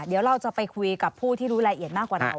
เดี๋ยวเราจะไปคุยกับผู้ที่รู้รายละเอียดมากกว่านั้น